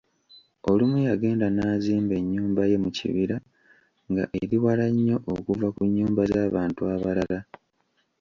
Olumu yagenda nazimba ennyumba ye mukibira nga eriwala nnyo, okuva ku nyumba z'abantu abalala.